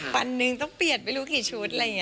ปันหนึ่งต้องเปลี่ยนไม่รู้กี่ชุด